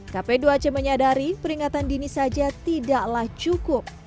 kp dua c menyadari peringatan dini saja tidaklah cukup